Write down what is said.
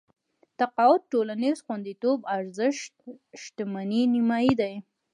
تقاعد ټولنيز خونديتوب ارزښت شتمنۍ نيمايي دي.